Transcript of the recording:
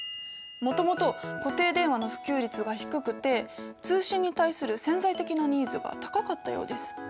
もともと固定電話の普及率が低くて通信に対する潜在的なニーズが高かったようです。